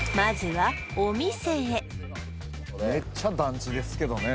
めっちゃ団地ですけどね